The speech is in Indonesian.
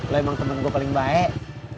lo emang temen gue paling baik